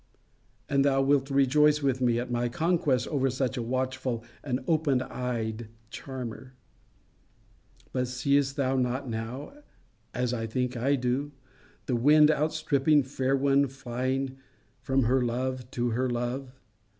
And thou wilt rejoice with me at my conquest over such a watchful and open eyed charmer. But seest thou not now (as I think I do) the wind outstripping fair one flying from her love to her love?